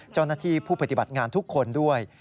เจ้าหน้าที่ผู้ปฏิบัติงานทุกคนด้วย